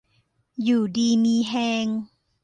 อยู่ดีมีแฮง